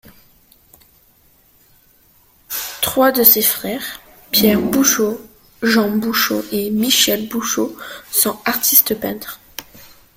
Trois de ses frères, Pierre Bouchaud, Jean Bouchaud et Michel Bouchaud, sont artistes peintres.